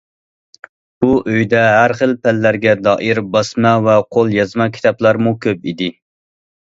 بۇ ئۆيدە ھەر خىل پەنلەرگە دائىر باسما ۋە قول يازما كىتابلارمۇ كۆپ ئىدى.